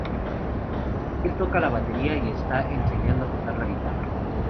Él toca la batería, y está enseñando a tocar la guitarra.